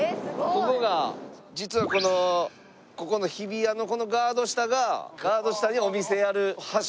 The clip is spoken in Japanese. ここが実はこのここの日比谷のこのガード下がガード下にお店やる発祥らしいです。